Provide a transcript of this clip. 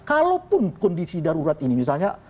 kalaupun kondisi darurat ini misalnya